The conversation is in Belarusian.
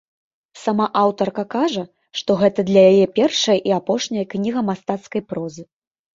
Сама аўтарка кажа, што гэта для яе першая і апошняя кніга мастацкай прозы.